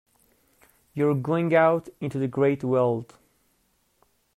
You are going out into the great world.